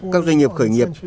các doanh nghiệp khởi nghiệp